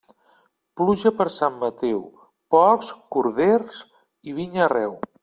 Pluja per Sant Mateu, porcs, corders i vinya arreu.